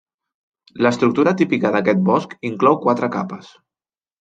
L'estructura típica d'aquest bosc inclou quatre capes.